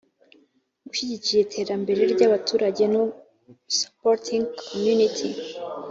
Gushyigikira iterambere ry abaturage no Supporting community